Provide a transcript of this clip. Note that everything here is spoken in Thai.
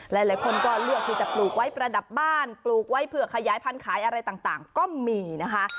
หลายคนก็เลือกที่จะปลูกไว้ประดับบ้านปลูกไว้เผื่อขยายพันธุ์ขายอะไรต่างก็มีนะคะ